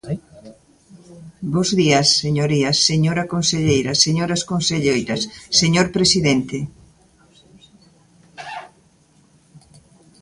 Bos días, señorías, señora conselleira, señoras conselleiras, señor presidente.